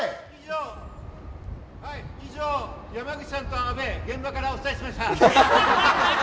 以上、山口さんと阿部が現場からお伝えしました！